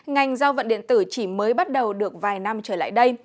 ngành giao vận điện tử chỉ mới bắt đầu được vài năm trở lại đây